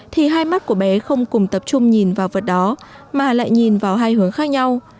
thì hai mắt của bé không cùng tập trung nhìn vào vật đó mà lại nhìn vào hai hướng khác nhau